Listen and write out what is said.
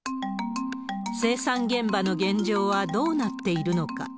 生産現場の現状はどうなっているのか。